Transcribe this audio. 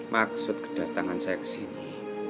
maksud kedatangan saya ke sini